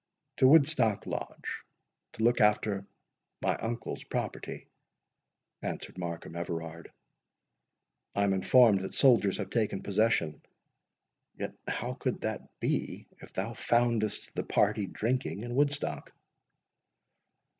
"To Woodstock Lodge, to look after my uncle's property," answered Markham Everard: "I am informed that soldiers have taken possession—Yet how could that be if thou foundest the party drinking in Woodstock?"